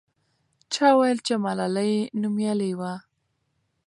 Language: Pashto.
چا وویل چې ملالۍ نومیالۍ وه.